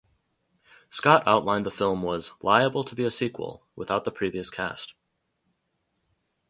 Scott outlined the film was "liable to be a sequel" without the previous cast.